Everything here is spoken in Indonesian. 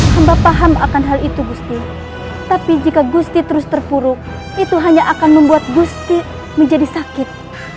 hamba paham akan hal itu gusti tapi jika gusti terus terpuruk itu hanya akan membuat gusti menjadi sakit